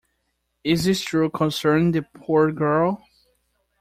Is this true concerning the poor girl?